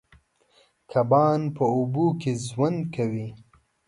کبان په اوبو کې ژوند کوي.